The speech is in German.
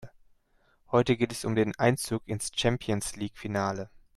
Heute geht es um den Einzug ins Champions-League-Finale.